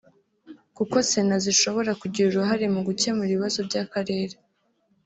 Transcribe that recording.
kuko Sena zishobora kugira uruhare mu gukemura ibibazo by’Akarere